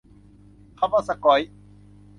คำว่า "สก๊อย"